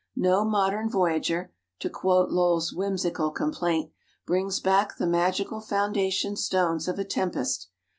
"No modern voyager," to quote Lowell's whimsical complaint, "brings back the magical foundation stones of a Tempest.